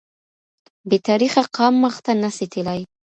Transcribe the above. بې تاریخه قام مخته نه سي تلای